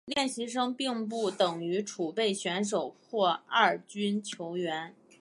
练习生并不等于储备选手或二军球员。